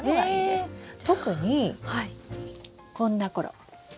特にこんなころ。